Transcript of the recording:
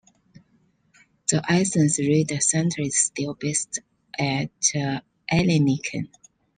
The Athens radar center is still based at Ellinikon.